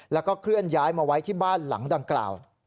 แล้วก็เคลื่อนย้ายมาไว้ที่บ้านหลังดังกล่าว